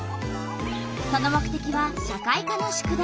その目てきは社会科の宿題。